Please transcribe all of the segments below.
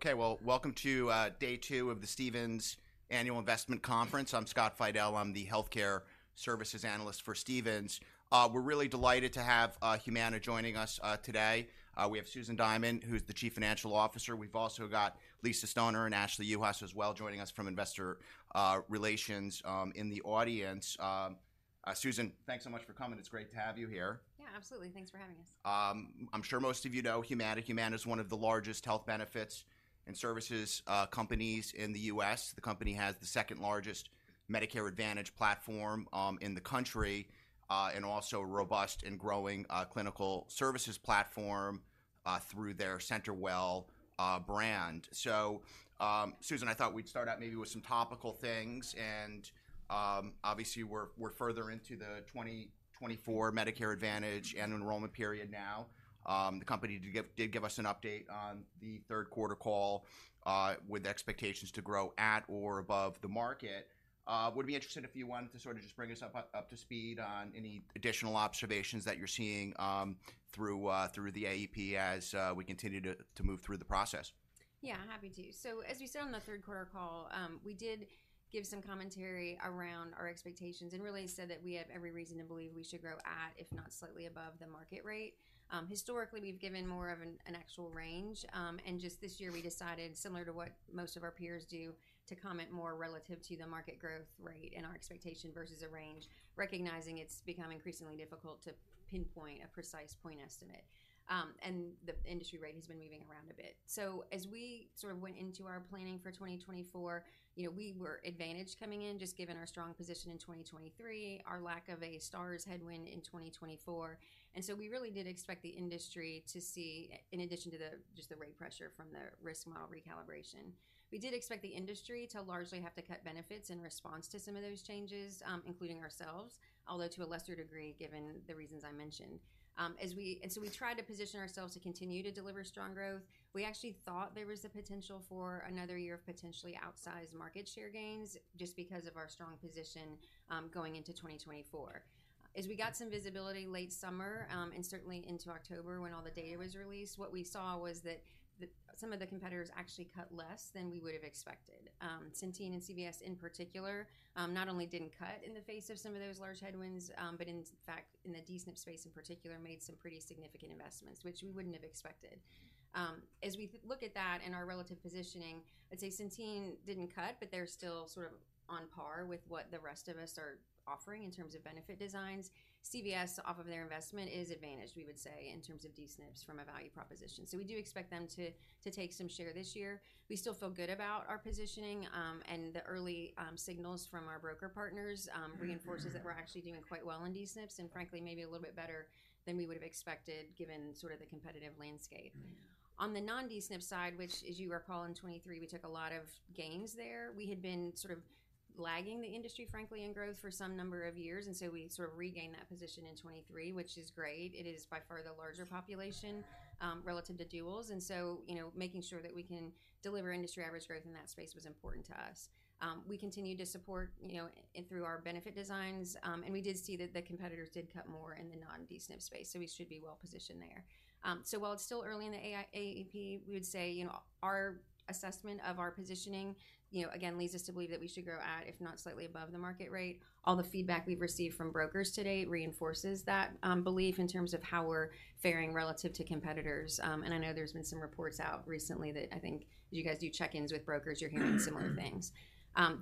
Okay, well, welcome to day two of the Stephens Annual Investment Conference. I'm Scott Fidel. I'm the healthcare services analyst for Stephens. We're really delighted to have Humana joining us today. We have Susan Diamond, who's the Chief Financial Officer. We've also got Lisa Stoner and Ashley Juhas as well, joining us from Investor Relations in the audience. Susan, thanks so much for coming. It's great to have you here. Yeah, absolutely. Thanks for having us. I'm sure most of you know Humana. Humana is one of the largest health benefits and services companies in the U.S. The company has the second-largest Medicare Advantage platform in the country and also a robust and growing clinical services platform through their CenterWell brand. So, Susan, I thought we'd start out maybe with some topical things. Obviously, we're further into the 2024 Medicare Advantage and enrollment period now. The company did give us an update on the Q3 call with expectations to grow at or above the market. Would be interested if you wanted to sort of just bring us up to speed on any additional observations that you're seeing through the AEP as we continue to move through the process. Yeah, happy to. So as we said on the Q3 call, we did give some commentary around our expectations and really said that we have every reason to believe we should grow at, if not slightly above, the market rate. Historically, we've given more of an actual range. And just this year, we decided, similar to what most of our peers do, to comment more relative to the market growth rate and our expectation versus a range, recognizing it's become increasingly difficult to pinpoint a precise point estimate. The industry rate has been moving around a bit. So as we sort of went into our planning for 2024, you know, we were advantaged coming in, just given our strong position in 2023, our lack of a Stars headwind in 2024. And so we really did expect the industry to see, in addition to just the rate pressure from the risk model recalibration. We did expect the industry to largely have to cut benefits in response to some of those changes, including ourselves, although to a lesser degree, given the reasons I mentioned. And so we tried to position ourselves to continue to deliver strong growth. We actually thought there was the potential for another year of potentially outsized market share gains just because of our strong position, going into 2024. As we got some visibility late summer, and certainly into October, when all the data was released, what we saw was that some of the competitors actually cut less than we would've expected. Centene and CVS in particular, not only didn't cut in the face of some of those large headwinds, but in fact, in the D-SNP space in particular, made some pretty significant investments, which we wouldn't have expected. As we look at that and our relative positioning, I'd say Centene didn't cut, but they're still sort of on par with what the rest of us are offering in terms of benefit designs. CVS, off of their investment, is advantaged, we would say, in terms of D-SNPs from a value proposition. So we do expect them to take some share this year. We still feel good about our positioning, and the early signals from our broker partners reinforces that we're actually doing quite well in D-SNPs, and frankly, maybe a little bit better than we would've expected, given sort of the competitive landscape. Mm-hmm. On the non-D-SNP side, which, as you recall, in 2023, we took a lot of gains there. We had been sort of lagging the industry, frankly, in growth for some number of years, and so we sort of regained that position in 2023, which is great. It is by far the larger population relative to duals, and so, you know, making sure that we can deliver industry average growth in that space was important to us. We continue to support, you know, and through our benefit designs, and we did see that the competitors did cut more in the non-D-SNP space, so we should be well positioned there. So while it's still early in the AEP, we would say, you know, our assessment of our positioning, you know, again, leads us to believe that we should grow at, if not slightly above, the market rate. All the feedback we've received from brokers to date reinforces that belief in terms of how we're faring relative to competitors. And I know there's been some reports out recently that I think, as you guys do check-ins with brokers, you're hearing similar things.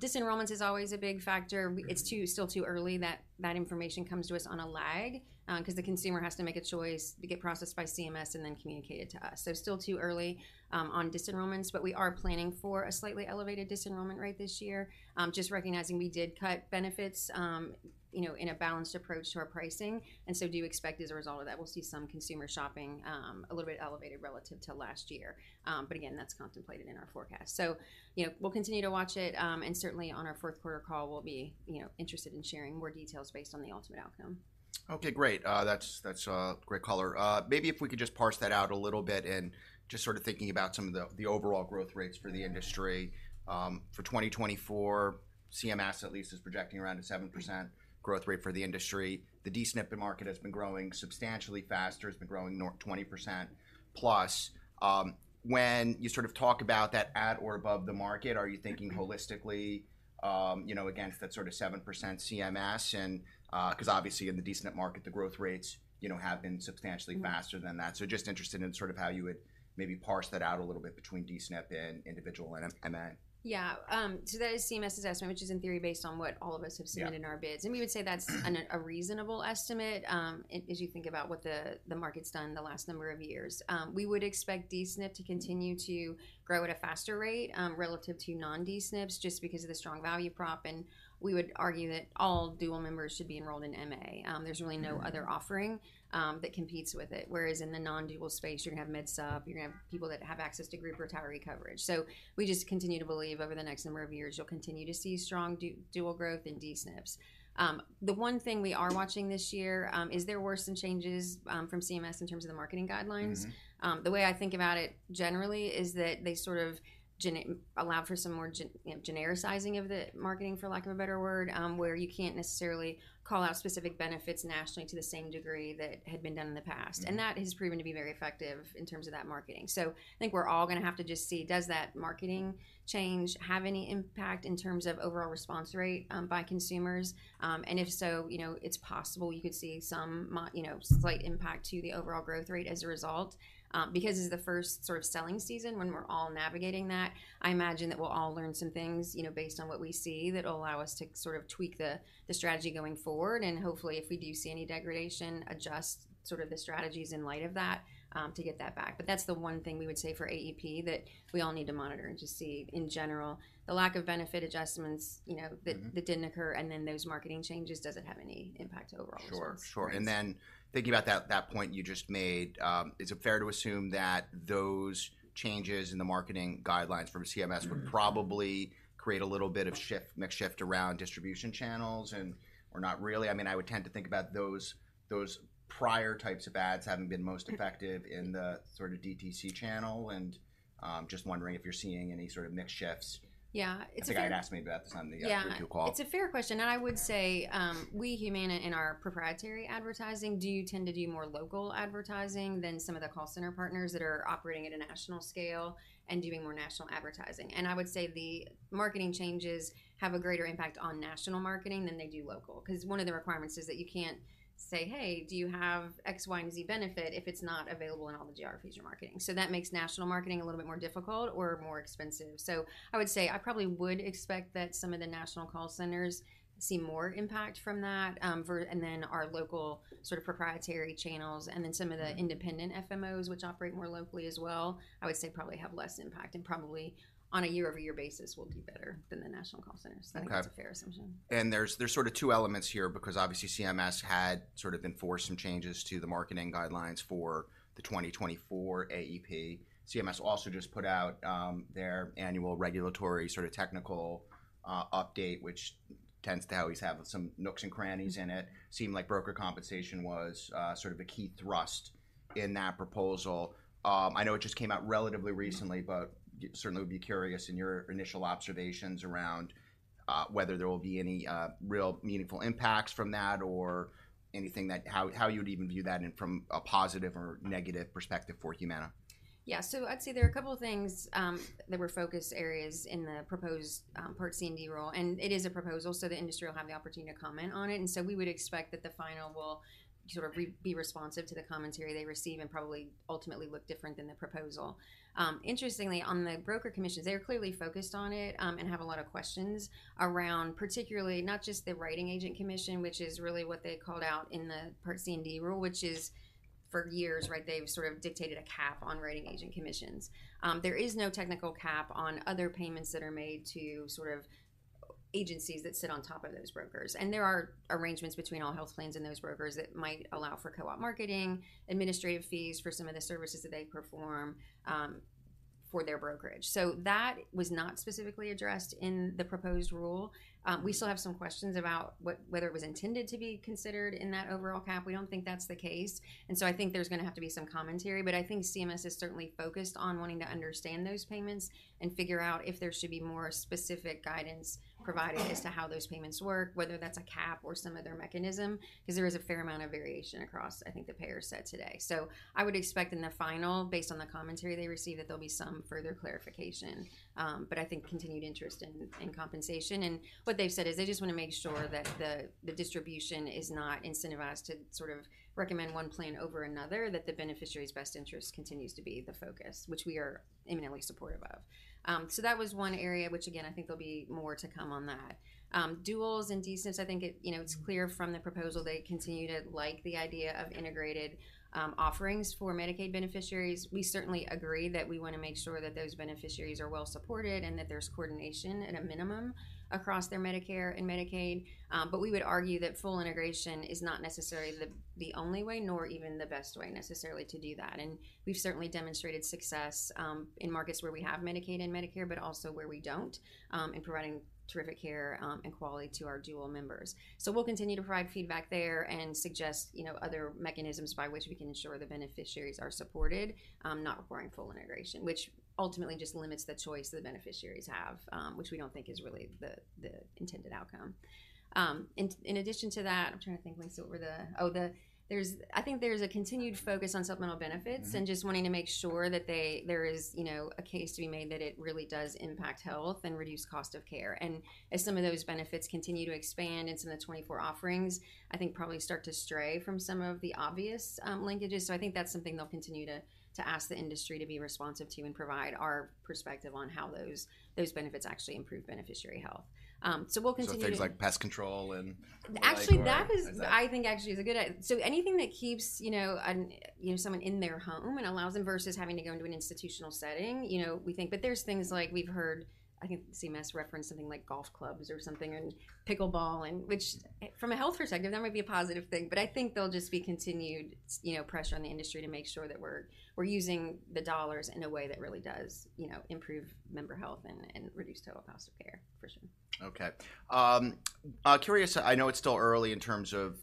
Disenrollments is always a big factor. Mm-hmm. It's still too early. That information comes to us on a lag, 'cause the consumer has to make a choice to get processed by CMS and then communicated to us. So still too early on disenrollments, but we are planning for a slightly elevated disenrollment rate this year. Just recognizing we did cut benefits, you know, in a balanced approach to our pricing, and so do expect as a result of that, we'll see some consumer shopping, a little bit elevated relative to last year. But again, that's contemplated in our forecast. So, you know, we'll continue to watch it, and certainly on our Q4 call, we'll be, you know, interested in sharing more details based on the ultimate outcome. Okay, great. That's a great color. Maybe if we could just parse that out a little bit and just sort of thinking about some of the overall growth rates for the industry. For 2024, CMS at least is projecting around a 7% growth rate for the industry. The D-SNP market has been growing substantially faster; it's been growing north of 20%+. When you sort of talk about that at or above the market, are you thinking holistically, you know, against that sort of 7% CMS? And, 'cause obviously in the D-SNP market, the growth rates, you know, have been substantially- Mm... faster than that. So just interested in sort of how you would maybe parse that out a little bit between D-SNP and individual and MA? Yeah, so that is CMS's estimate, which is in theory, based on what all of us have seen- Yeah... in our bids. We would say that's a reasonable estimate, and as you think about what the market's done in the last number of years. We would expect D-SNP to continue to grow at a faster rate, relative to non-D-SNPs, just because of the strong value prop, and we would argue that all dual members should be enrolled in MA. There's really no other offering that competes with it. Whereas in the non-dual space, you're gonna have mid sub, you're gonna have people that have access to group retiree coverage. So we just continue to believe over the next number of years, you'll continue to see strong dual growth in D-SNPs. The one thing we are watching this year is there were some changes from CMS in terms of the marketing guidelines. Mm-hmm. The way I think about it generally is that they sort of allow for some more genericizing of the marketing, for lack of a better word, where you can't necessarily call out specific benefits nationally to the same degree that had been done in the past. Mm-hmm. That has proven to be very effective in terms of that marketing. I think we're all gonna have to just see, does that marketing change have any impact in terms of overall response rate, by consumers? If so, you know, it's possible you could see some, you know, slight impact to the overall growth rate as a result. Because this is the first sort of selling season when we're all navigating that, I imagine that we'll all learn some things, you know, based on what we see, that will allow us to sort of tweak the strategy going forward. Hopefully, if we do see any degradation, adjust sort of the strategies in light of that, to get that back. But that's the one thing we would say for AEP, that we all need to monitor and just see, in general, the lack of benefit adjustments, you know- Mm-hmm... that, that didn't occur, and then those marketing changes, does it have any impact overall? Sure, sure. And then thinking about that, that point you just made, is it fair to assume that those changes in the marketing guidelines from CMS? Mm... would probably create a little bit of shift, mix shift around distribution channels and/or not really? I mean, I would tend to think about those prior types of ads having been most effective- Mm... in the sort of DTC channel, and, just wondering if you're seeing any sort of mix shifts? Yeah, it's a- I think I'd asked maybe about this on the, Yeah... group call. It's a fair question, and I would say- Okay... we, Humana, in our proprietary advertising, do tend to do more local advertising than some of the call center partners that are operating at a national scale and doing more national advertising. And I would say the marketing changes have a greater impact on national marketing than they do local. 'Cause one of the requirements is that you can't say, "Hey, do you have X, Y, and Z benefit?" if it's not available in all the geographies you're marketing. So that makes national marketing a little bit more difficult or more expensive. So I would say I probably would expect that some of the national call centers see more impact from that, and then our local sort of proprietary channels, and then some of the- Mm... independent FMOs, which operate more locally as well, I would say probably have less impact and probably on a year-over-year basis will do better than the national call centers. Okay. I think that's a fair assumption. And there's sort of two elements here, because obviously CMS had sort of enforced some changes to the marketing guidelines for the 2024 AEP. CMS also just put out their annual regulatory sort of technical update, which tends to always have some nooks and crannies in it. Mm-hmm. Seemed like broker compensation was sort of a key thrust in that proposal. I know it just came out relatively recently- Mm... but certainly would be curious in your initial observations around whether there will be any real meaningful impacts from that or anything that, how you would even view that in from a positive or negative perspective for Humana? Yeah. So I'd say there are a couple of things that were focus areas in the proposed Part C and D rule. It is a proposal, so the industry will have the opportunity to comment on it, and so we would expect that the final will sort of be responsive to the commentary they receive and probably ultimately look different than the proposal. Interestingly, on the broker commissions, they are clearly focused on it and have a lot of questions around, particularly not just the writing age-in commission, which is really what they called out in the Part C and D rule, which is for years, right, they've sort of dictated a cap on writing age-in commissions. There is no technical cap on other payments that are made to sort of agencies that sit on top of those brokers. There are arrangements between all health plans and those brokers that might allow for co-op marketing, administrative fees for some of the services that they perform, for their brokerage. That was not specifically addressed in the proposed rule. We still have some questions about what, whether it was intended to be considered in that overall cap. We don't think that's the case, and so I think there's gonna have to be some commentary. But I think CMS is certainly focused on wanting to understand those payments and figure out if there should be more specific guidance provided as to how those payments work, whether that's a cap or some other mechanism, 'cause there is a fair amount of variation across, I think, the payer set today. So I would expect in the final, based on the commentary they receive, that there'll be some further clarification, but I think continued interest in, in compensation. And what they've said is, they just wanna make sure that the, the distribution is not incentivized to sort of recommend one plan over another, that the beneficiary's best interest continues to be the focus, which we are imminently supportive of. So that was one area, which again, I think there'll be more to come on that. Duals and D-SNPs, I think it, you know, it's clear from the proposal they continue to like the idea of integrated offerings for Medicaid beneficiaries. We certainly agree that we wanna make sure that those beneficiaries are well supported and that there's coordination at a minimum across their Medicare and Medicaid. But we would argue that full integration is not necessarily the only way, nor even the best way necessarily to do that. And we've certainly demonstrated success in markets where we have Medicaid and Medicare, but also where we don't, in providing terrific care and quality to our dual members. So we'll continue to provide feedback there and suggest, you know, other mechanisms by which we can ensure the beneficiaries are supported, not requiring full integration, which ultimately just limits the choice the beneficiaries have, which we don't think is really the intended outcome. In addition to that, I'm trying to think, like, so what were the... Oh, there's- I think there's a continued focus on supplemental benefits- Mm... and just wanting to make sure that there is, you know, a case to be made that it really does impact health and reduce cost of care. And as some of those benefits continue to expand into the 2024 offerings, I think probably start to stray from some of the obvious linkages. So I think that's something they'll continue to ask the industry to be responsive to and provide our perspective on how those benefits actually improve beneficiary health. So we'll continue to- Things like pest control and- Actually, that is-... I think- I think actually it is a good idea so anything that keeps, you know, a, you know, someone in their home and allows them versus having to go into an institutional setting, you know, we think. But there's things like we've heard, I think CMS referenced something like golf clubs or something, and pickleball, and which from a health perspective, that might be a positive thing. But I think there'll just be continued, you know, pressure on the industry to make sure that we're using the dollars in a way that really does, you know, improve member health and reduce total cost of care for sure. Okay. Curious, I know it's still early in terms of,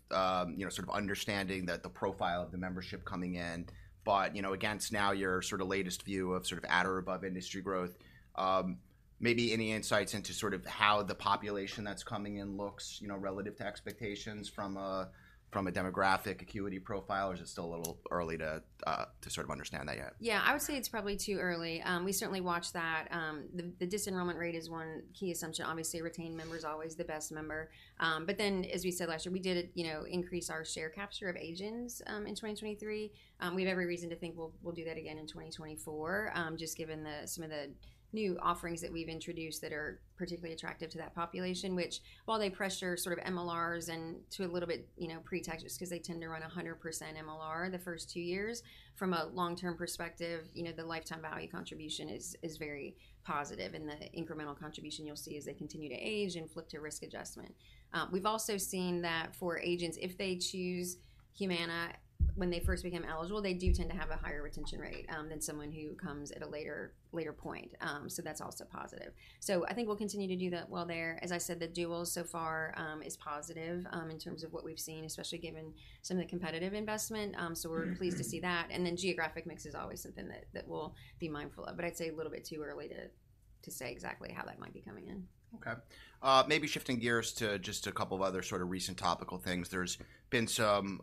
you know, sort of understanding the profile of the membership coming in... but, you know, against now your sort of latest view of sort of at or above industry growth, maybe any insights into sort of how the population that's coming in looks, you know, relative to expectations from a demographic acuity profile? Or is it still a little early to sort of understand that yet? Yeah, I would say it's probably too early. We certainly watch that. The disenrollment rate is one key assumption. Obviously, retained member is always the best member. But then, as we said last year, we did, you know, increase our share capture of Asians, in 2023. We have every reason to think we'll do that again in 2024, just given some of the new offerings that we've introduced that are particularly attractive to that population, which, while they pressure sort of MLRs and to a little bit, you know, pre-tax, just 'cause they tend to run 100% MLR the first two years. From a long-term perspective, you know, the lifetime value contribution is very positive, and the incremental contribution you'll see as they continue to age and flip to risk adjustment. We've also seen that for Asians, if they choose Humana when they first become eligible, they do tend to have a higher retention rate than someone who comes at a later point. So that's also positive. So I think we'll continue to do that well there. As I said, the dual so far is positive in terms of what we've seen, especially given some of the competitive investment. So we're pleased to see that. And then geographic mix is always something that we'll be mindful of, but I'd say a little bit too early to say exactly how that might be coming in. Okay. Maybe shifting gears to just a couple of other sort of recent topical things. There's been some,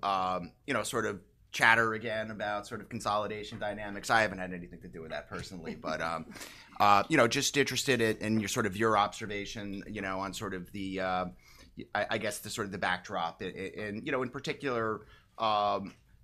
you know, sort of chatter again about sort of consolidation dynamics. I haven't had anything to do with that personally, but, you know, just interested in your sort of observation, you know, on sort of the, I guess, the sort of backdrop. You know, in particular,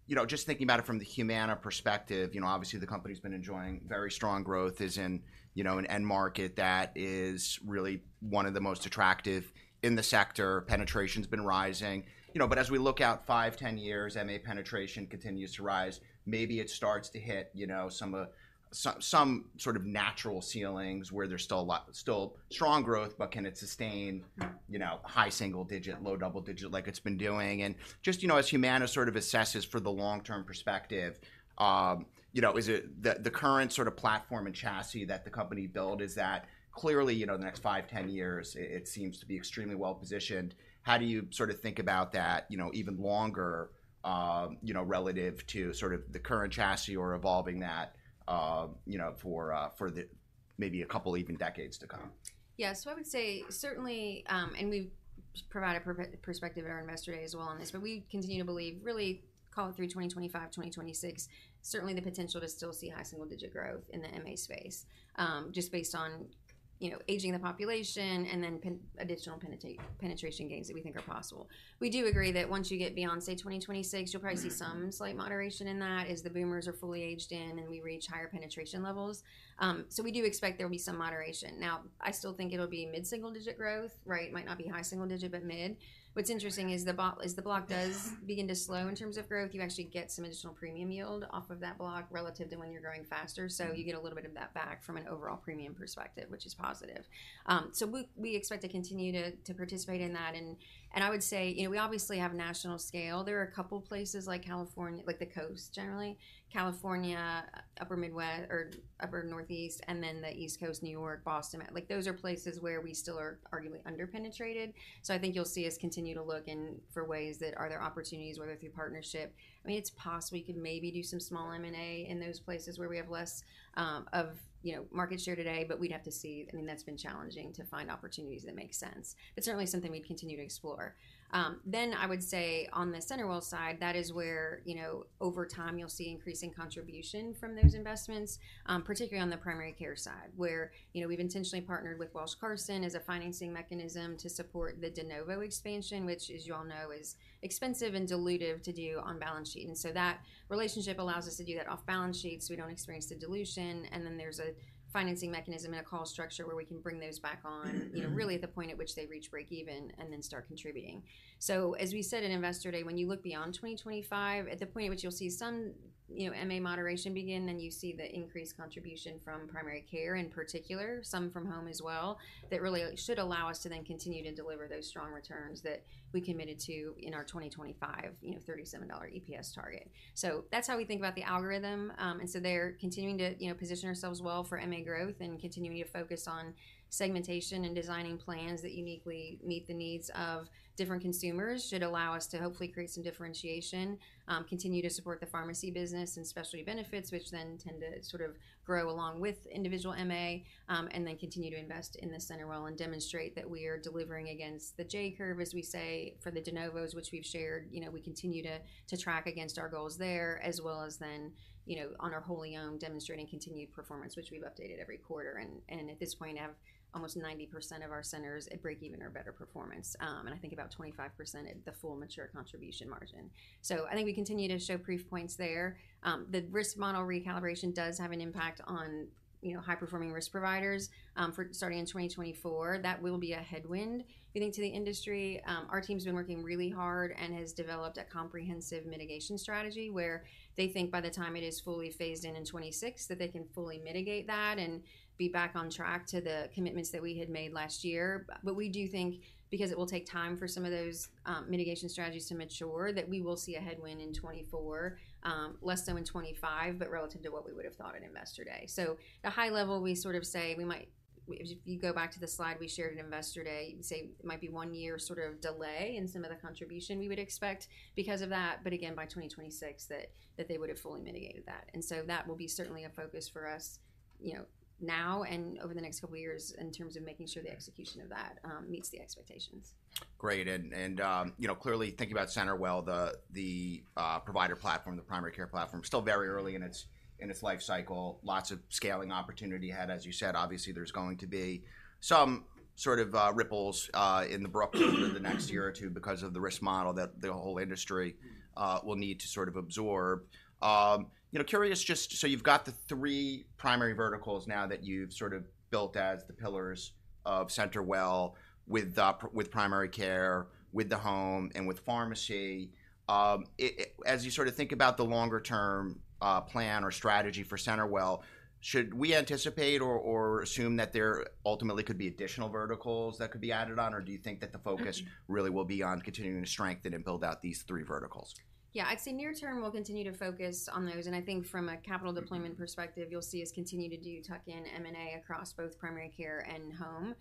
you know, just thinking about it from the Humana perspective, you know, obviously, the company's been enjoying very strong growth, is in, you know, an end market that is really one of the most attractive in the sector. Penetration's been rising, you know, but as we look out five, 10 years, MA penetration continues to rise, maybe it starts to hit, you know, some of... some sort of natural ceilings, where there's still a lot still strong growth, but can it sustain, you know, high single digit, low double digit, like it's been doing? And just, you know, as Humana sort of assesses for the long-term perspective, you know, is it the current sort of platform and chassis that the company built, is that clearly, you know, the next five, 10 years, it seems to be extremely well positioned. How do you sort of think about that, you know, even longer, you know, relative to sort of the current chassis or evolving that, you know, for the maybe a couple even decades to come? Yeah. So I would say certainly, and we've provided perspective at our Investor Day as well on this, but we continue to believe, really call it through 2025, 2026, certainly the potential to still see high single-digit growth in the MA space, just based on, you know, aging the population and then additional penetration gains that we think are possible. We do agree that once you get beyond, say, 2026, you'll probably see- Mm... some slight moderation in that, as the boomers are fully aged in, and we reach higher penetration levels. So we do expect there will be some moderation. Now, I still think it'll be mid-single digit growth, right? Might not be high single digit, but mid. What's interesting is as the block does begin to slow in terms of growth, you actually get some additional premium yield off of that block relative to when you're growing faster. So you get a little bit of that back from an overall premium perspective, which is positive. So we expect to continue to participate in that. And I would say, you know, we obviously have national scale. There are a couple places like California, like the Coast, generally, California, upper Midwest, or upper Northeast, and then the East Coast, New York, Boston. Like, those are places where we still are arguably under-penetrated. So I think you'll see us continue to look in for ways that, are there opportunities, whether through partnership... I mean, it's possible we could maybe do some small M&A in those places where we have less, of, you know, market share today, but we'd have to see. I mean, that's been challenging to find opportunities that make sense, but certainly something we'd continue to explore. Then I would say on the CenterWell side, that is where, you know, over time, you'll see increasing contribution from those investments, particularly on the primary care side, where, you know, we've intentionally partnered with Welsh Carson as a financing mechanism to support the de novo expansion, which, as you all know, is expensive and dilutive to do on balance sheet. And so that relationship allows us to do that off balance sheet, so we don't experience the dilution. And then there's a financing mechanism and a call structure where we can bring those back on—you know, really at the point at which they reach breakeven and then start contributing. So as we said in Investor Day, when you look beyond 2025, at the point at which you'll see some, you know, MA moderation begin, then you see the increased contribution from primary care, in particular, some from home as well, that really should allow us to then continue to deliver those strong returns that we committed to in our 2025, you know, $37 EPS target. So that's how we think about the algorithm. And so they're continuing to, you know, position ourselves well for MA growth and continuing to focus on segmentation and designing plans that uniquely meet the needs of different consumers, should allow us to hopefully create some differentiation, continue to support the pharmacy business and specialty benefits, which then tend to sort of grow along with individual MA, and then continue to invest in the CenterWell and demonstrate that we are delivering against the J-curve, as we say, for the de novos, which we've shared. You know, we continue to track against our goals there, as well as then, you know, on our wholly owned, demonstrating continued performance, which we've updated every quarter. And at this point, have almost 90% of our centers at breakeven or better performance, and I think about 25% at the full mature contribution margin. So I think we continue to show proof points there. The Risk Model Recalibration does have an impact on, you know, high-performing risk providers. For starting in 2024, that will be a headwind getting to the industry. Our team's been working really hard and has developed a comprehensive mitigation strategy, where they think by the time it is fully phased in in 2026, that they can fully mitigate that and be back on track to the commitments that we had made last year. But we do think because it will take time for some of those mitigation strategies to mature, that we will see a headwind in 2024, less so in 2025, but relative to what we would have thought at Investor Day. So at a high level, we sort of say we might-... If, if you go back to the slide we shared in Investor Day, and say it might be one year sort of delay in some of the contribution we would expect because of that, but again, by 2026, that, that they would have fully mitigated that. And so that will be certainly a focus for us, you know, now and over the next couple of years in terms of making sure the execution of that meets the expectations. Great. And, you know, clearly thinking about CenterWell, the provider platform, the primary care platform, still very early in its life cycle. Lots of scaling opportunity ahead. As you said, obviously, there's going to be some sort of ripples over the next year or two because of the risk model that the whole industry will need to sort of absorb. You know, curious, just so you've got the three primary verticals now that you've sort of built as the pillars of CenterWell, with primary care, with the home, and with pharmacy. It, as you sort of think about the longer term plan or strategy for CenterWell, should we anticipate or assume that there ultimately could be additional verticals that could be added on? Or do you think that the focus- Mm-hmm... really will be on continuing to strengthen and build out these three verticals? Yeah, I'd say near term, we'll continue to focus on those. I think from a capital deployment perspective, you'll see us continue to do tuck-in M&A across both primary care and home.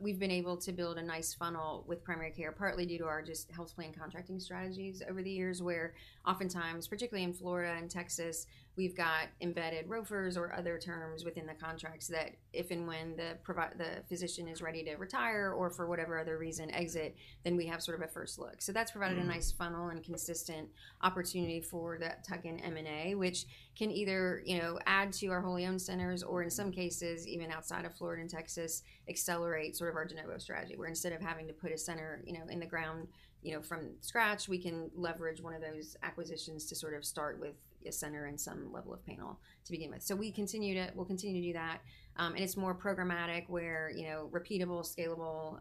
We've been able to build a nice funnel with primary care, partly due to our just health plan contracting strategies over the years, where oftentimes, particularly in Florida and Texas, we've got embedded ROFRs or other terms within the contracts that if and when the provider, the physician is ready to retire or for whatever other reason, exit, then we have sort of a first look. Mm-hmm. So that's provided a nice funnel and consistent opportunity for that tuck-in M&A, which can either, you know, add to our wholly owned centers or in some cases, even outside of Florida and Texas, accelerate sort of our de novo strategy, where instead of having to put a center, you know, in the ground, you know, from scratch, we can leverage one of those acquisitions to sort of start with a center and some level of panel to begin with. So we continue to... We'll continue to do that. And it's more programmatic where, you know, repeatable, scalable,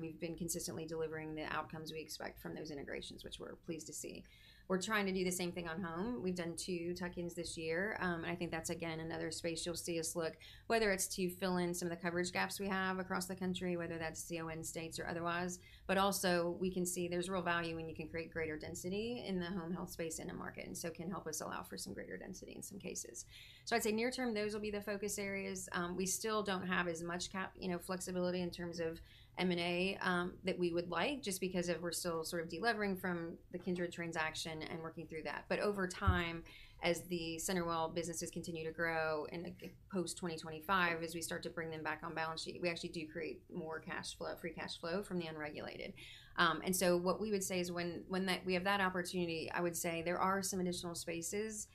we've been consistently delivering the outcomes we expect from those integrations, which we're pleased to see. We're trying to do the same thing on home. We've done two tuck-ins this year. And I think that's again, another space you'll see us look, whether it's to fill in some of the coverage gaps we have across the country, whether that's CON states or otherwise. But also, we can see there's real value, and you can create greater density in the home health space in a market, and so can help us allow for some greater density in some cases. So I'd say near term, those will be the focus areas. We still don't have as much cap, you know, flexibility in terms of M&A, that we would like, just because of we're still sort of delevering from the Kindred transaction and working through that. But over time, as the CenterWell businesses continue to grow and post-2025, as we start to bring them back on balance sheet, we actually do create more cash flow, free cash flow from the unregulated. And so what we would say is when that we have that opportunity, I would say there are some additional spaces,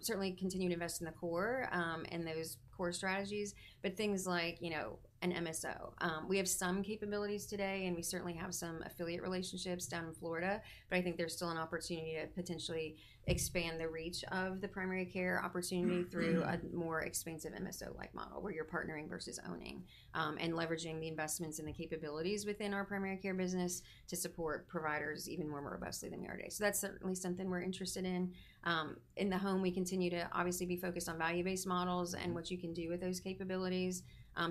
certainly continue to invest in the core and those core strategies, but things like, you know, an MSO. We have some capabilities today, and we certainly have some affiliate relationships down in Florida, but I think there's still an opportunity to potentially expand the reach of the primary care opportunity through a more expansive MSO-like model, where you're partnering versus owning. And leveraging the investments and the capabilities within our primary care business to support providers even more robustly than we already are. That's certainly something we're interested in. In the home, we continue to obviously be focused on value-based models and what you can do with those capabilities.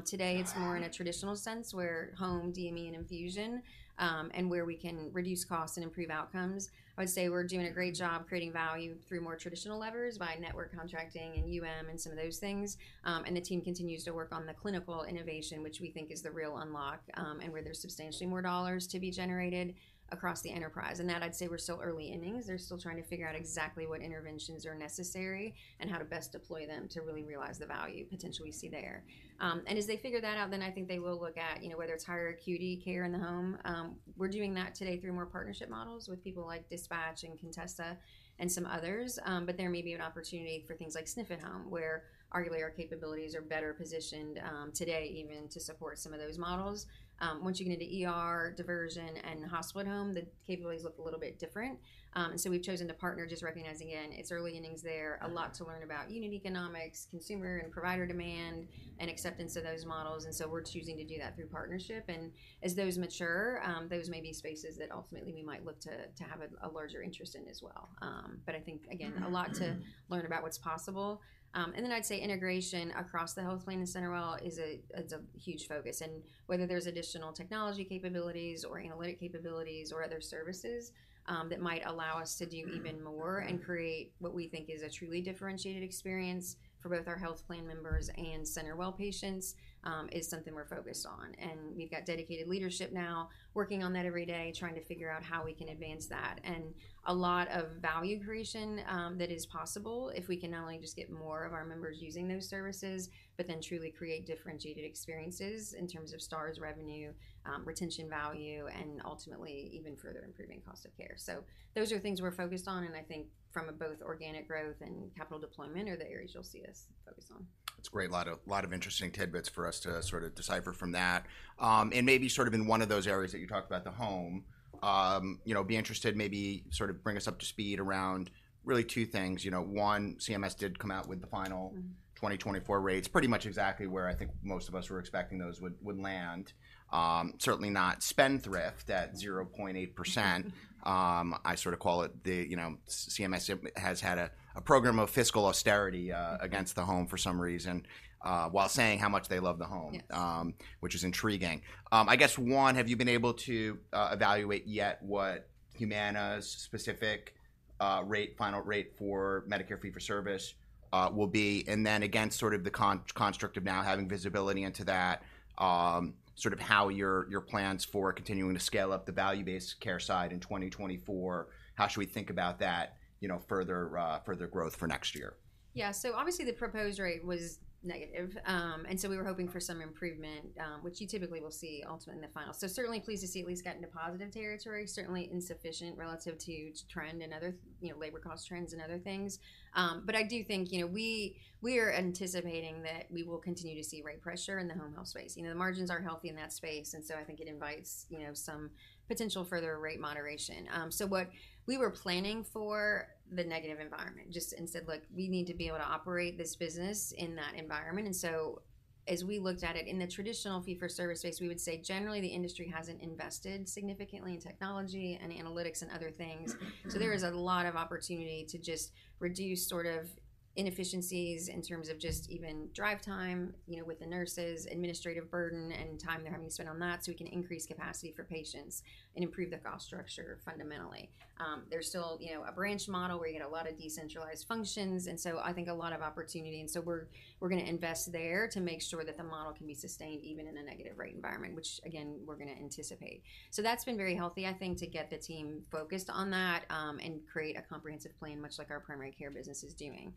Today, it's more in a traditional sense, where home, DME, and infusion, and where we can reduce costs and improve outcomes. I would say we're doing a great job creating value through more traditional levers by network contracting and UM and some of those things. The team continues to work on the clinical innovation, which we think is the real unlock, and where there's substantially more dollars to be generated across the enterprise. That, I'd say, we're still early innings. They're still trying to figure out exactly what interventions are necessary and how to best deploy them to really realize the value potential we see there. And as they figure that out, then I think they will look at, you know, whether it's higher acuity care in the home. We're doing that today through more partnership models with people like Dispatch and Contessa and some others. But there may be an opportunity for things like SNF at home, where arguably, our capabilities are better positioned, today even to support some of those models. Once you get into ER, diversion, and hospital at home, the capabilities look a little bit different. And so we've chosen to partner, just recognizing, again, it's early innings there, a lot to learn about unit economics, consumer and provider demand, and acceptance of those models. And so we're choosing to do that through partnership. As those mature, those may be spaces that ultimately we might look to, to have a larger interest in as well. But I think, again, a lot to learn about what's possible. And then I'd say integration across the health plan and CenterWell is, it's a huge focus. And whether there's additional technology capabilities or analytic capabilities or other services that might allow us to do even more and create what we think is a truly differentiated experience for both our health plan members and CenterWell patients is something we're focused on. And we've got dedicated leadership now working on that every day, trying to figure out how we can advance that. A lot of value creation that is possible if we can not only just get more of our members using those services, but then truly create differentiated experiences in terms of stars, revenue, retention value, and ultimately, even further improving cost of care. Those are things we're focused on, and I think from a both organic growth and capital deployment are the areas you'll see us focus on. That's great. A lot of, lot of interesting tidbits for us to sort of decipher from that. And maybe sort of in one of those areas that you talked about, the home, you know, be interested, maybe sort of bring us up to speed around really two things. You know, one, CMS did come out with the final- Mm-hmm... 2024 rates, pretty much exactly where I think most of us were expecting those would land. Certainly not spendthrift at 0.8%. Mm-hmm. I sort of call it the, you know, CMS has had a program of fiscal austerity against the home for some reason while saying how much they love the home. Yes. Which is intriguing. I guess, one, have you been able to evaluate yet what Humana's rate, final rate for Medicare fee-for-service will be, and then again, sort of the construct of now having visibility into that, sort of how your plans for continuing to scale up the value-based care side in 2024, how should we think about that, you know, further growth for next year? Yeah. So obviously, the proposed rate was negative, and so we were hoping for some improvement, which you typically will see ultimately in the final. So certainly pleased to see at least get into positive territory, certainly insufficient relative to trend and other, you know, labor cost trends and other things. But I do think, you know, we are anticipating that we will continue to see rate pressure in the home health space. You know, the margins aren't healthy in that space, and so I think it invites, you know, some potential further rate moderation. So what we were planning for the negative environment, just and said: Look, we need to be able to operate this business in that environment. So as we looked at it in the traditional fee-for-service space, we would say generally, the industry hasn't invested significantly in technology and analytics and other things. So there is a lot of opportunity to just reduce sort of inefficiencies in terms of just even drive time, you know, with the nurses, administrative burden and time they're having to spend on that, so we can increase capacity for patients and improve the cost structure fundamentally. There's still, you know, a branch model where you get a lot of decentralized functions, and so I think a lot of opportunity, and so we're gonna invest there to make sure that the model can be sustained even in a negative rate environment, which again, we're gonna anticipate. So that's been very healthy, I think, to get the team focused on that, and create a comprehensive plan, much like our primary care business is doing.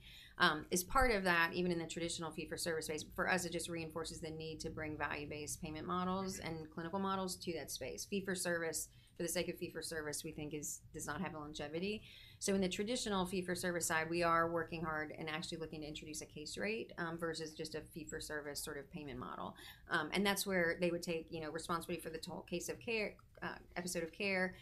As part of that, even in the traditional fee-for-service space, for us, it just reinforces the need to bring value-based payment models and clinical models to that space. Fee-for-service, for the sake of fee-for-service, we think is, does not have a longevity. So in the traditional fee-for-service side, we are working hard and actually looking to introduce a case rate, versus just a fee-for-service sort of payment model. And that's where they would take, you know, responsibility for the total case of care, episode of care,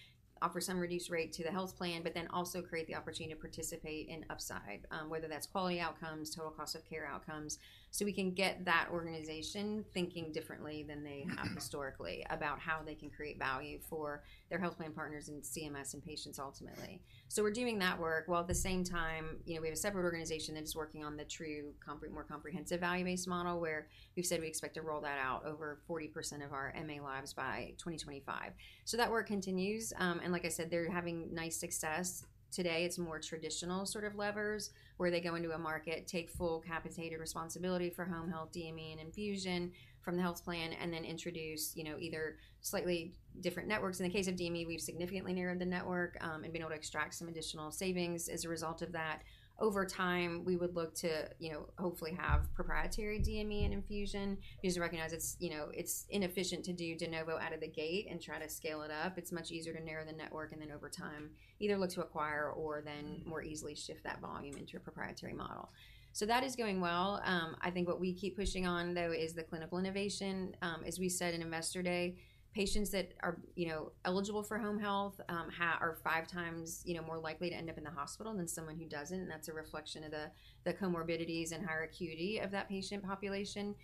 offer some reduced rate to the health plan, but then also create the opportunity to participate in upside, whether that's quality outcomes, total cost of care outcomes. So we can get that organization thinking differently than they have historically, about how they can create value for their health plan partners and CMS and patients ultimately. So we're doing that work, while at the same time, you know, we have a separate organization that is working on the true, more comprehensive value-based model, where we've said we expect to roll that out over 40% of our MA lives by 2025. So that work continues. And like I said, they're having nice success. Today, it's more traditional sort of levers, where they go into a market, take full capitated responsibility for home health DME and infusion from the health plan, and then introduce, you know, either slightly different networks. In the case of DME, we've significantly narrowed the network, and been able to extract some additional savings as a result of that. Over time, we would look to, you know, hopefully have proprietary DME and infusion because we recognize it's, you know, it's inefficient to do de novo out of the gate and try to scale it up. It's much easier to narrow the network, and then over time, either look to acquire or then more easily shift that volume into a proprietary model. So that is going well. I think what we keep pushing on, though, is the clinical innovation. As we said in Investor Day, patients that are, you know, eligible for home health, are five times, you know, more likely to end up in the hospital than someone who doesn't, and that's a reflection of the comorbidities and higher acuity of that patient population.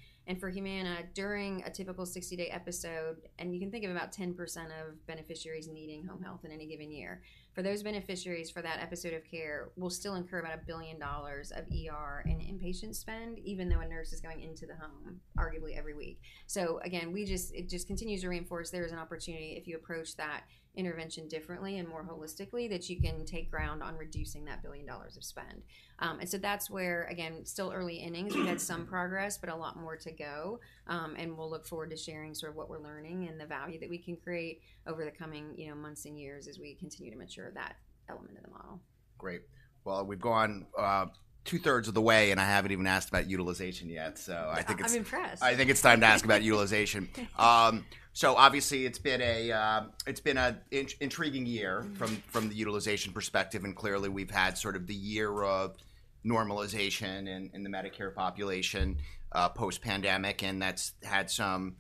For Humana, during a typical 60-day episode, and you can think of about 10% of beneficiaries needing home health in any given year. For those beneficiaries, for that episode of care, we'll still incur about $1 billion of ER and inpatient spend, even though a nurse is going into the home, arguably every week. So again, we just, it just continues to reinforce there is an opportunity, if you approach that intervention differently and more holistically, that you can take ground on reducing that $1 billion of spend. And so that's where, again, still early innings. We've had some progress, but a lot more to go, and we'll look forward to sharing sort of what we're learning and the value that we can create over the coming, you know, months and years as we continue to mature that element of the model. Great. Well, we've gone two-thirds of the way, and I haven't even asked about utilization yet, so I think it's- I'm impressed. I think it's time to ask about utilization. So obviously, it's been an intriguing year- Mm-hmm... from the utilization perspective, and clearly, we've had sort of the year of normalization in the Medicare population post-pandemic, and that's had some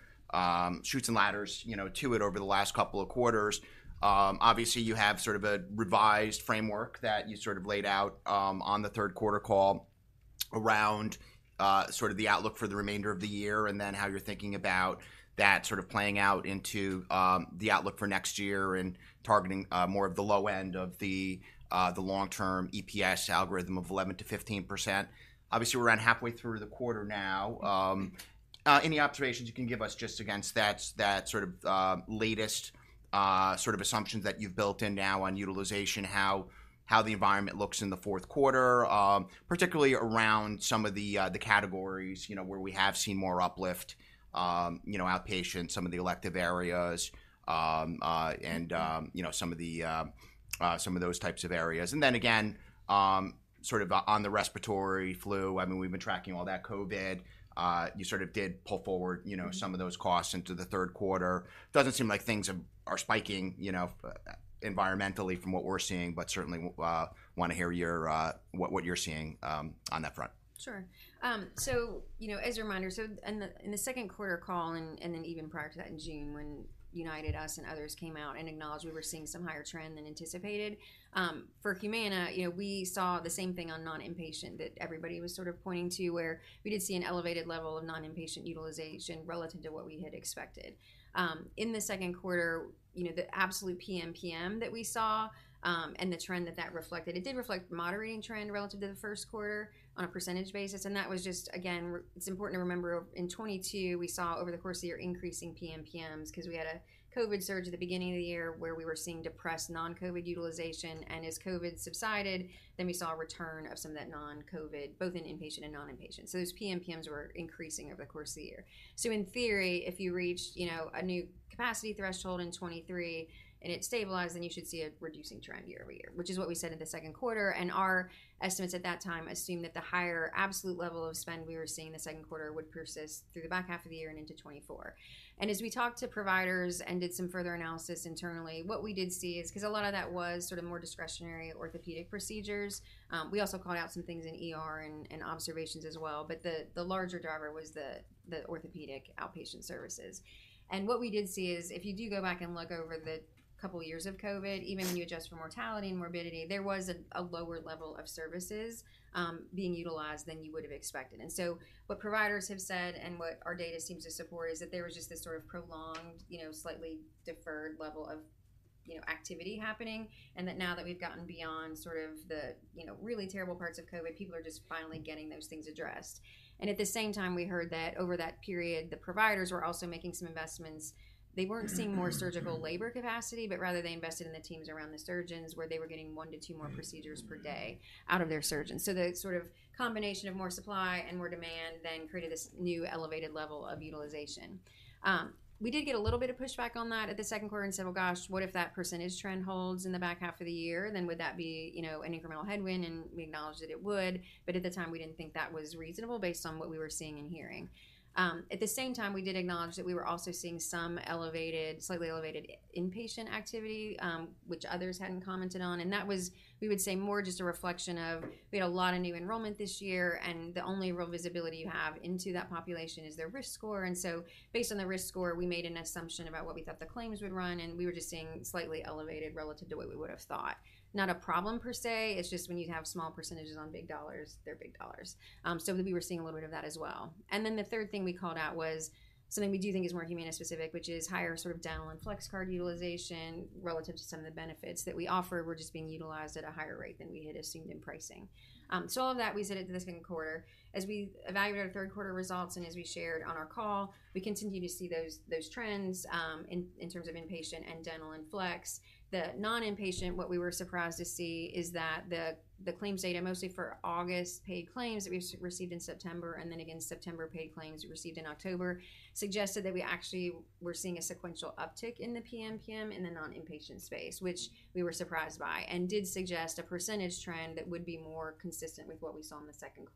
chutes and ladders, you know, to it over the last couple of quarters. Obviously, you have sort of a revised framework that you sort of laid out on the Q3 call around sort of the outlook for the remainder of the year, and then how you're thinking about that sort of playing out into the outlook for next year and targeting more of the low end of the long-term EPS algorithm of 11%-15%. Obviously, we're around halfway through the quarter now. Any observations you can give us just against that, that sort of latest, sort of assumptions that you've built in now on utilization, how the environment looks in the Q4, particularly around some of the, the categories, you know, where we have seen more uplift, you know, outpatient, some of the elective areas, and you know, some of those types of areas. Then again, sort of, on the respiratory flu, I mean, we've been tracking all that, you sort of did pull forward, you know, some of those costs into the Q3. Doesn't seem like things are spiking, you know, environmentally from what we're seeing, but certainly wanna hear your, what you're seeing on that front. Sure. So, you know, as a reminder, so in the Q2 call, and then even prior to that in June, when United, us, and others came out and acknowledged we were seeing some higher trend than anticipated, for Humana, you know, we saw the same thing on non-inpatient, that everybody was sort of pointing to where we did see an elevated level of non-inpatient utilization relative to what we had expected. In the Q2, you know, the absolute PMPM that we saw, and the trend that that reflected, it did reflect moderating trend relative to the Q1 on a percentage basis, and that was just... Again, it's important to remember in 2022, we saw over the course of the year, increasing PMPMs, 'cause we had a COVID surge at the beginning of the year where we were seeing depressed non-COVID utilization. And as COVID subsided, then we saw a return of some of that non-COVID, both in inpatient and non-inpatient. So those PMPMs were increasing over the course of the year. So in theory, if you reached, you know, a new capacity threshold in 2023, and it stabilized, then you should see a reducing trend year-over-year, which is what we said in the Q2. And our estimates at that time assumed that the higher absolute level of spend we were seeing in the Q2 would persist through the back half of the year and into 2024. As we talked to providers and did some further analysis internally, what we did see is, 'cause a lot of that was sort of more discretionary orthopedic procedures, we also called out some things in ER and observations as well. But the larger driver was the orthopedic outpatient services. And what we did see is, if you do go back and look over the couple of years of COVID, even when you adjust for mortality and morbidity, there was a lower level of services being utilized than you would've expected. And so what providers have said and what our data seems to support is that there was just this sort of prolonged, you know, slightly deferred level of, you know, activity happening, and that now that we've gotten beyond sort of the, you know, really terrible parts of COVID, people are just finally getting those things addressed. And at the same time, we heard that over that period, the providers were also making some investments. They weren't seeing more surgical labor capacity, but rather they invested in the teams around the surgeons, where they were getting 1-2 more procedures per day out of their surgeons. So the sort of combination of more supply and more demand then created this new elevated level of utilization. We did get a little bit of pushback on that at the Q2 and said: "Well, gosh, what if that percentage trend holds in the back half of the year? Then would that be, you know, an incremental headwind?" We acknowledged that it would, but at the time, we didn't think that was reasonable based on what we were seeing and hearing. At the same time, we did acknowledge that we were also seeing some elevated, slightly elevated inpatient activity, which others hadn't commented on, and that was, we would say, more just a reflection of, we had a lot of new enrollment this year, and the only real visibility you have into that population is their risk score. So based on the risk score, we made an assumption about what we thought the claims would run, and we were just seeing slightly elevated relative to what we would have thought. Not a problem per se, it's just when you have small percentages on big dollars, they're big dollars. So we were seeing a little bit of that as well. And then the third thing we called out was something we do think is more Humana-specific, which is higher sort of dental and flex card utilization relative to some of the benefits that we offer, were just being utilized at a higher rate than we had assumed in pricing. So all of that, we said at the Q2. As we evaluated our Q3 results and as we shared on our call, we continue to see those, those trends in terms of inpatient and dental and flex. The non-inpatient, what we were surprised to see is that the claims data, mostly for August, paid claims that we received in September, and then again, September paid claims we received in October, suggested that we actually were seeing a sequential uptick in the PMPM in the non-inpatient space, which we were surprised by, and did suggest a percentage trend that would be more consistent with what we saw in the Q2.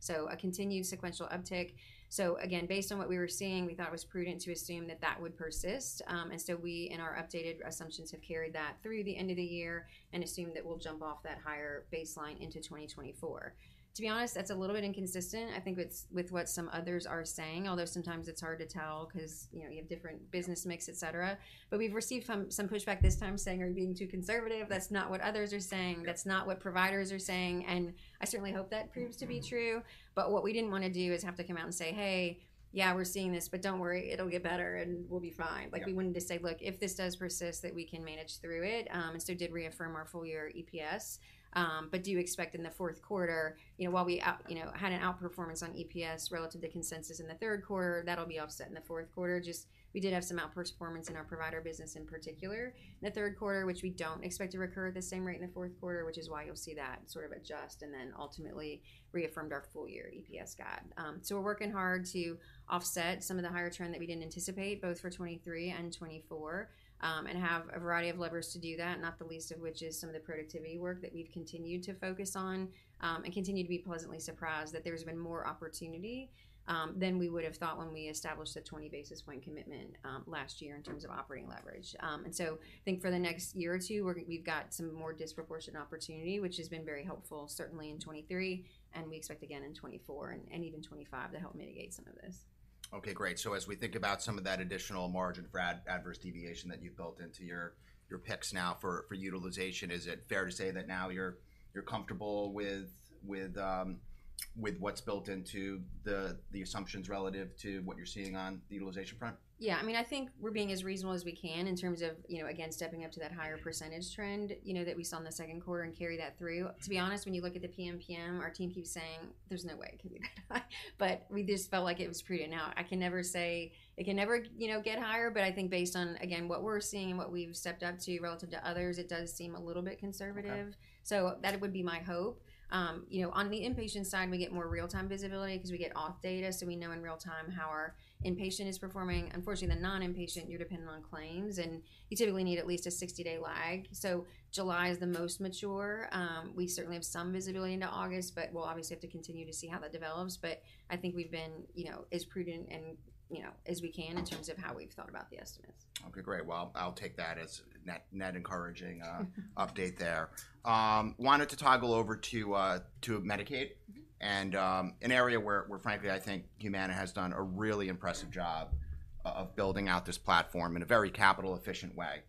So a continued sequential uptick. So again, based on what we were seeing, we thought it was prudent to assume that that would persist. And so we, in our updated assumptions, have carried that through the end of the year and assume that we'll jump off that higher baseline into 2024. To be honest, that's a little bit inconsistent, I think, with what some others are saying, although sometimes it's hard to tell 'cause, you know, you have different business mix, et cetera. But we've received some pushback this time saying, "Are you being too conservative? That's not what others are saying. That's not what providers are saying." And I certainly hope that proves to be true, but what we didn't wanna do is have to come out and say, "Hey, yeah, we're seeing this, but don't worry, it'll get better, and we'll be fine. Yeah. Like, we wanted to say, "Look, if this does persist, that we can manage through it," and so did reaffirm our full year EPS. But do expect in the Q4, you know, while we had an outperformance on EPS relative to consensus in the Q3, that'll be offset in the Q4. Just we did have some outperformance in our provider business, in particular in the Q3, which we don't expect to recur at the same rate in the Q4, which is why you'll see that sort of adjust and then ultimately reaffirmed our full year EPS guide. So we're working hard to offset some of the higher trend that we didn't anticipate, both for 2023 and 2024, and have a variety of levers to do that, not the least of which is some of the productivity work that we've continued to focus on. And continue to be pleasantly surprised that there's been more opportunity than we would have thought when we established the 20 basis point commitment last year in terms of operating leverage. And so I think for the next year or two, we've got some more disproportionate opportunity, which has been very helpful, certainly in 2023, and we expect again in 2024, and even 2025, to help mitigate some of this. Okay, great. So as we think about some of that additional margin for adverse deviation that you've built into your picks now for utilization, is it fair to say that now you're comfortable with what's built into the assumptions relative to what you're seeing on the utilization front? Yeah, I mean, I think we're being as reasonable as we can in terms of, you know, again, stepping up to that higher percentage trend, you know, that we saw in the Q2 and carry that through. To be honest, when you look at the PMPM, our team keeps saying, "There's no way it can be that high." But we just felt like it was prudent. Now, I can never say... It can never, you know, get higher, but I think based on, again, what we're seeing and what we've stepped up to relative to others, it does seem a little bit conservative. Okay. So that would be my hope. You know, on the inpatient side, we get more real-time visibility 'cause we get off data, so we know in real time how our inpatient is performing. Unfortunately, the non-inpatient, you're dependent on claims, and you typically need at least a 60-day lag. So July is the most mature. We certainly have some visibility into August, but we'll obviously have to continue to see how that develops. But I think we've been, you know, as prudent and, you know, as we can in terms of how we've thought about the estimates. Okay, great. Well, I'll take that as net, net encouraging update there. Wanted to toggle over to Medicaid and an area where frankly, I think Humana has done a really impressive job of building out this platform in a very capital efficient way.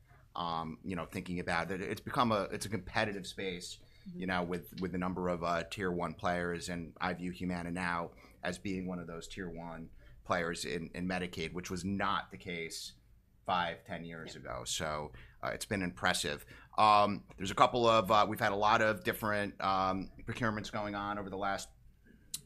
You know, thinking about that, it's become a competitive space- Mm-hmm. You know, with a number of tier one players, and I view Humana now as being one of those tier one players in Medicaid, which was not the case five, 10 years ago. Yeah. So, it's been impressive. There's a couple of... We've had a lot of different procurements going on over the last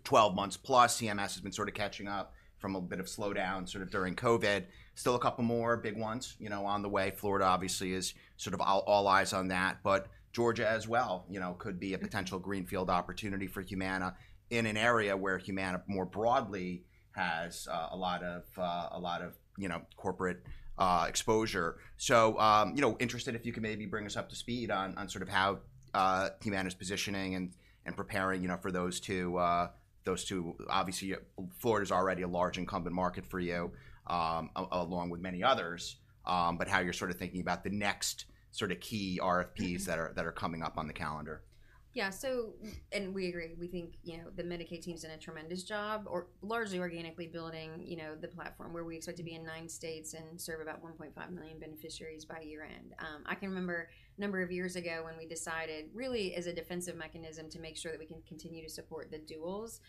12 months, plus CMS has been sort of catching up from a bit of slowdown, sort of during COVID. Still a couple more big ones, you know, on the way. Florida, obviously, is sort of all eyes on that. But Georgia as well, you know, could be- Mm... a potential greenfield opportunity for Humana in an area where Humana, more broadly, has, a lot of, a lot of, you know, corporate, exposure. So, you know, interested if you could maybe bring us up to speed on, on sort of how, Humana's positioning and, and preparing, you know, for those two, those two... Obviously, Florida's already a large incumbent market for you, along with many others, but how you're sort of thinking about the next sort of key RFPs- Mm... that are coming up on the calendar. Yeah, so, and we agree, we think, you know, the Medicaid team's done a tremendous job, or largely organically building, you know, the platform where we expect to be in nine states and serve about 1.5 million beneficiaries by year-end. I can remember a number of years ago when we decided, really as a defensive mechanism, to make sure that we can continue to support the duals,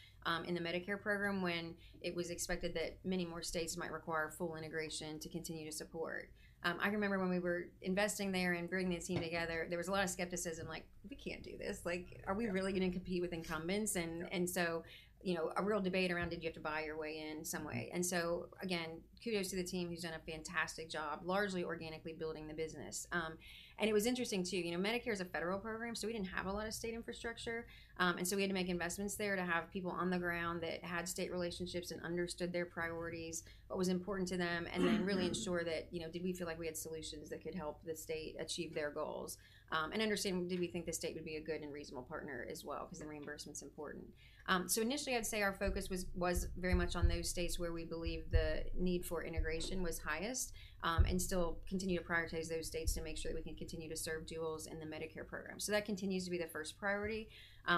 in the Medicare program, when it was expected that many more states might require full integration to continue to support. I can remember when we were investing there and bringing the team together, there was a lot of skepticism, like: "We can't do this. Like- Yeah. Are we really going to compete with incumbents? Yeah. You know, a real debate around, did you have to buy your way in some way? And so again, kudos to the team, who's done a fantastic job, largely organically building the business. And it was interesting, too, you know, Medicare is a federal program, so we didn't have a lot of state infrastructure. And so we had to make investments there to have people on the ground that had state relationships and understood their priorities, what was important to them- Mm-hmm. And then really ensure that, you know, did we feel like we had solutions that could help the state achieve their goals? And understand, did we think the state would be a good and reasonable partner as well? Mm-hmm. Because the reimbursement's important. So initially, I'd say our focus was very much on those states where we believe the need for integration was highest, and still continue to prioritize those states to make sure that we can continue to serve duals in the Medicare program. So that continues to be the first priority.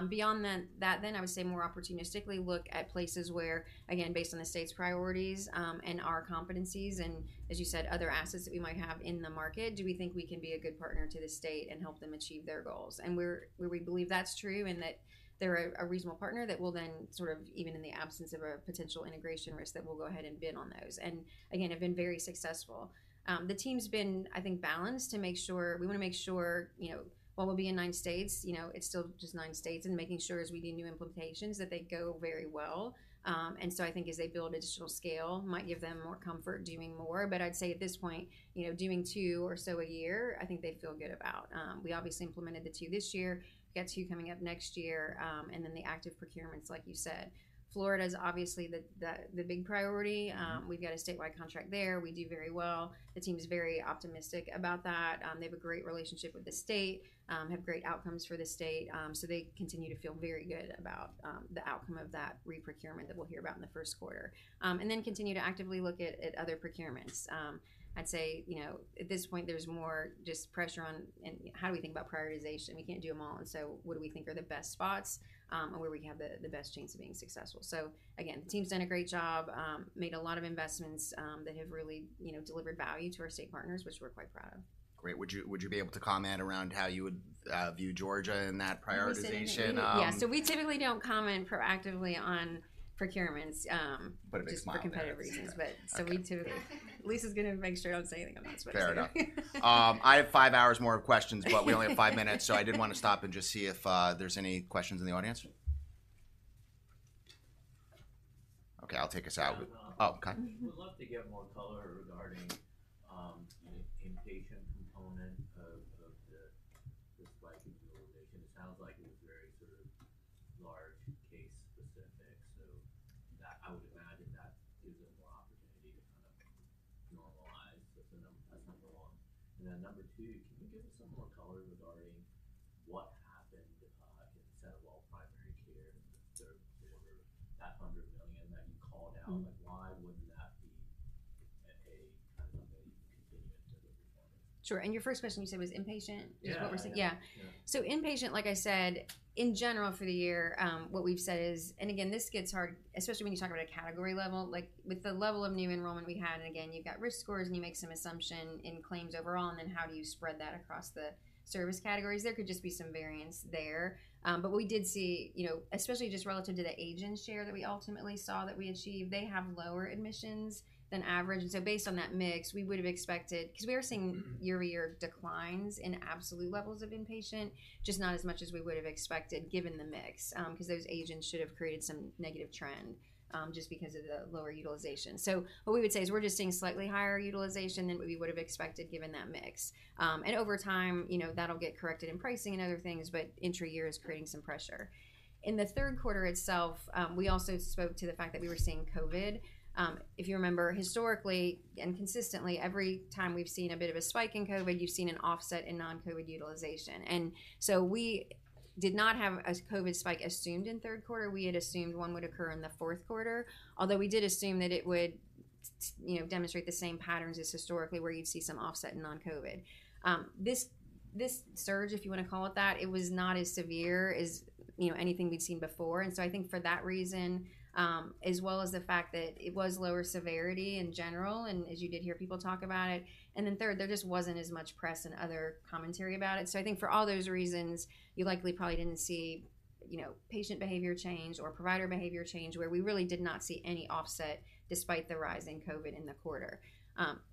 Beyond that, I would say more opportunistically look at places where, again, based on the state's priorities, and our competencies, and as you said, other assets that we might have in the market, do we think we can be a good partner to the state and help them achieve their goals? And where we believe that's true and that they're a reasonable partner, that will then sort of, even in the absence of a potential integration risk, that we'll go ahead and bid on those, and again, have been very successful. The team's been, I think, balanced to make sure... We want to make sure, you know, while we'll be in 9 states, you know, it's still just 9 states, and making sure as we do new implementations, that they go very well. And so I think as they build additional scale, might give them more comfort doing more. But I'd say at this point, you know, doing 2 or so a year, I think they'd feel good about. We obviously implemented the 2 this year, got 2 coming up next year, and then the active procurements, like you said. Florida is obviously the big priority. Mm-hmm. We've got a statewide contract there. We do very well. The team is very optimistic about that. They have a great relationship with the state, have great outcomes for the state. So they continue to feel very good about the outcome of that re-procurement that we'll hear about in the Q1. And then continue to actively look at other procurements. I'd say, you know, at this point, there's more just pressure on, and how do we think about prioritization? We can't do them all, and so what do we think are the best spots, and where we have the best chance of being successful? So again, the team's done a great job, made a lot of investments, that have really, you know, delivered value to our state partners, which we're quite proud of. Great. Would you be able to comment around how you would view Georgia in that prioritization? Yeah, so we typically don't comment proactively on procurements. But a big smile there. Just for competitive reasons. Okay. We typically- Lisa's gonna make sure I don't say anything on that subject. Fair enough. I have five hours more of questions, but we only have five minutes, so I did want to stop and just see if there's any questions in the audience. Okay, I'll take us out. Yeah, um- Oh, okay. Would love to get more color than average. And so based on that mix, we would have expected... 'Cause we are seeing year-to-year declines in absolute levels of inpatient, just not as much as we would have expected, given the mix. Because those agents should have created some negative trend, just because of the lower utilization. So what we would say is, we're just seeing slightly higher utilization than we would have expected, given that mix. And over time, you know, that'll get corrected in pricing and other things, but intra-year is creating some pressure. In the Q3 itself, we also spoke to the fact that we were seeing COVID. If you remember, historically and consistently, every time we've seen a bit of a spike in COVID, you've seen an offset in non-COVID utilization. And so we did not have a COVID spike assumed in Q3. We had assumed one would occur in the Q4, although we did assume that it would, you know, demonstrate the same patterns as historically, where you'd see some offset in non-COVID. This surge, if you wanna call it that, it was not as severe as, you know, anything we've seen before. And so I think for that reason, as well as the fact that it was lower severity in general, and as you did hear people talk about it, and then third, there just wasn't as much press and other commentary about it. So I think for all those reasons, you likely probably didn't see, you know, patient behavior change or provider behavior change, where we really did not see any offset despite the rise in COVID in the quarter.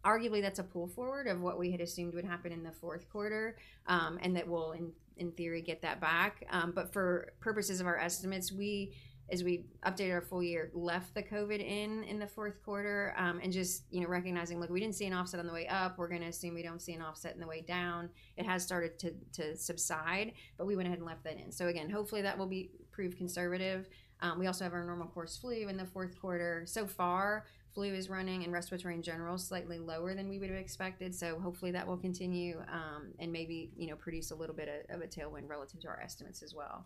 Arguably, that's a pull forward of what we had assumed would happen in the Q4, and that we'll, in theory, get that back. But for purposes of our estimates, we, as we updated our full year, left the COVID in Q4. And just, you know, recognizing, look, we didn't see an offset on the way up, we're gonna assume we don't see an offset on the way down. It has started to subside, but we went ahead and left that in. So again, hopefully, that will be proved conservative. We also have our normal course flu in theQ4. So far, flu is running, and respiratory in general, slightly lower than we would've expected, so hopefully, that will continue, and maybe, you know, produce a little bit of a tailwind relative to our estimates as well.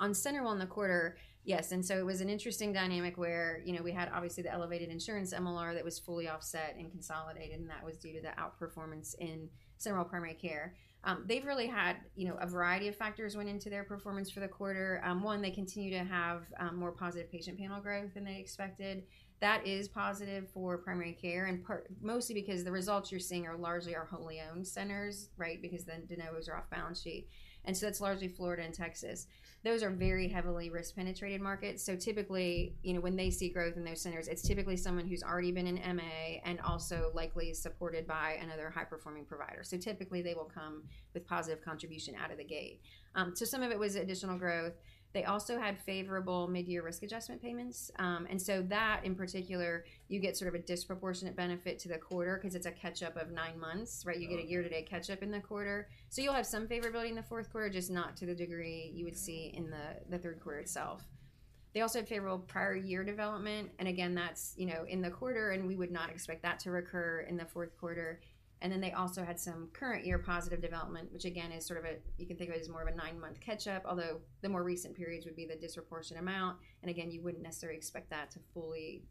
On CenterWell in the quarter, yes, and so it was an interesting dynamic where, you know, we had obviously the elevated insurance MLR that was fully offset and consolidated, and that was due to the outperformance in CenterWell Primary Care. They've really had, you know, a variety of factors went into their performance for the quarter. One, they continue to have more positive patient panel growth than they expected. That is positive for primary care, and mostly because the results you're seeing are largely our wholly owned centers, right? Because the de novos are off balance sheet, and so that's largely Florida and Texas. Those are very heavily risk-penetrated markets. So typically, you know, when they see growth in those centers, it's typically someone who's already been in MA and also likely supported by another high-performing provider. So typically, they will come with positive contribution out of the gate. So some of it was additional growth. They also had favorable mid-year risk adjustment payments. And so that in particular, you get sort of a disproportionate benefit to the quarter 'cause it's a catch-up of nine months, right? Oh. You get a year-to-date catch-up in the quarter. So you'll have some favorability in the Q4, just not to the degree you would see in the, the Q3 itself. They also had favorable prior year development, and again, that's, you know, in the quarter, and we would not expect that to recur in the Q4. And then they also had some current year positive development, which again, is sort of a... You can think of it as more of a nine-month catch-up, although the more recent periods would be the disproportionate amount. And again, you wouldn't necessarily expect that to fully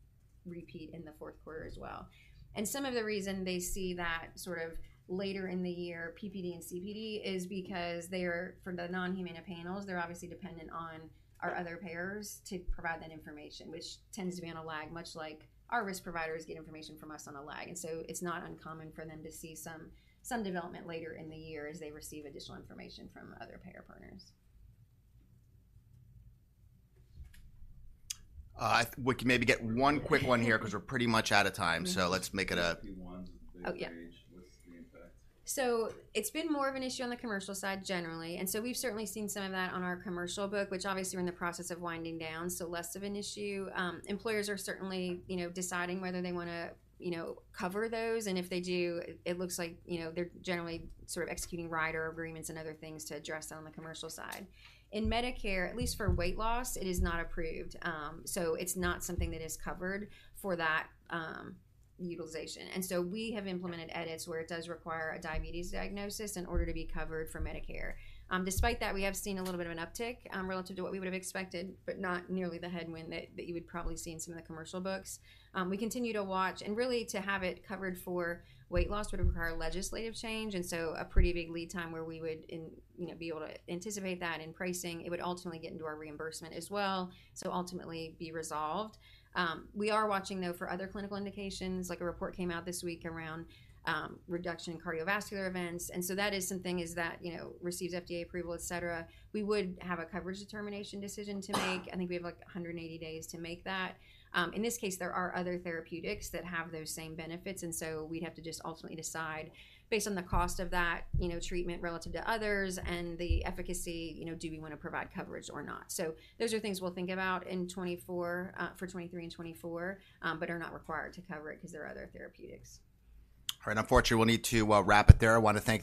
repeat in the Q4 as well. And some of the reason they see that sort of later in the year, PPD and CPD, is because they are, for the non-Humana panels, they're obviously dependent on our other payers to provide that information, which tends to be on a lag, much like our risk providers get information from us on a lag. And so it's not uncommon for them to see some development later in the year as they receive additional information from other payer partners. We can maybe get one quick one here, 'cause we're pretty much out of time, so let's make it a- Oh, yeah. What's the impact? So it's been more of an issue on the commercial side generally, and so we've certainly seen some of that on our commercial book, which obviously we're in the process of winding down, so less of an issue. Employers are certainly, you know, deciding whether they wanna, you know, cover those, and if they do, it looks like, you know, they're generally sort of executing rider agreements and other things to address it on the commercial side. In Medicare, at least for weight loss, it is not approved. So it's not something that is covered for that utilization. And so we have implemented edits where it does require a diabetes diagnosis in order to be covered for Medicare. Despite that, we have seen a little bit of an uptick, relative to what we would've expected, but not nearly the headwind that you would probably see in some of the commercial books. We continue to watch, and really, to have it covered for weight loss would require legislative change, and so a pretty big lead time where we would, you know, be able to anticipate that in pricing. It would ultimately get into our reimbursement as well, so ultimately be resolved. We are watching, though, for other clinical indications. Like, a report came out this week around reduction in cardiovascular events, and so that is something, you know, receives FDA approval, et cetera. We would have a coverage determination decision to make. I think we have, like, 180 days to make that. In this case, there are other therapeutics that have those same benefits, and so we'd have to just ultimately decide, based on the cost of that, you know, treatment relative to others and the efficacy, you know, do we wanna provide coverage or not? So those are things we'll think about in 2024, for 2023 and 2024, but are not required to cover it 'cause there are other therapeutics. All right. Unfortunately, we'll need to wrap it there. I want to thank-